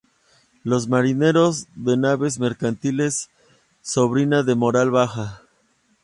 Los marineros de naves mercantiles sobrina de moral baja.